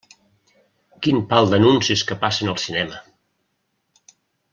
Quin pal d'anuncis que passen al cinema!